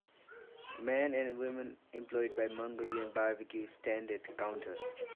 Man and woman employed by Mongolian Barbecue stand at counter.